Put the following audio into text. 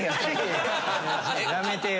やめてよ。